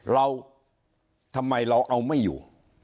เราทำไมเราเอาไม่อยู่